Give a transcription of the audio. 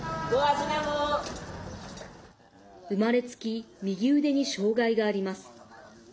生まれつき右腕に障害があります。